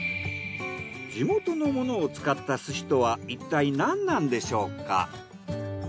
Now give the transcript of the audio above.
地元のものを使った寿司とはいったいなんなんでしょうか？